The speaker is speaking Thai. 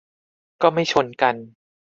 ก็ไม่ชนกัน